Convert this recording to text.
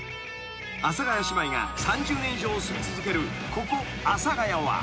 ［阿佐ヶ谷姉妹が３０年以上住み続けるここ阿佐谷は］